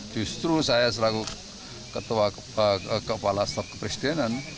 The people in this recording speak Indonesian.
justru saya selalu kepala staff kepresidenan